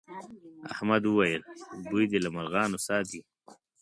احمد وويل: بوی دې له مرغانو ساتي.